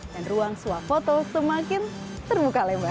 dan ruang swafoto semakin termuka lembar